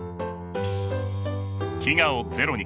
飢餓をゼロに。